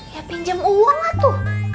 ya pinjam uang lah tuh